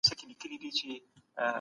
هغه په مځکي کي کار کوی او هڅه کوي.